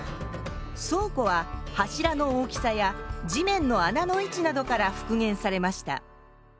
倉庫は柱の大きさや地面の穴の位置などから復元されました。